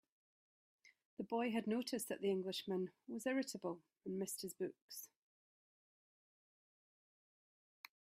The boy had noticed that the Englishman was irritable, and missed his books.